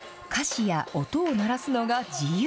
ここは歌詞や音を鳴らすのが自由。